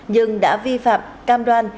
nhưng đã vi phạm cam đoan